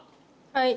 はい。